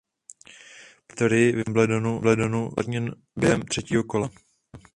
Poprvé v historii Wimbledonu byl uplatněn během třetího kola.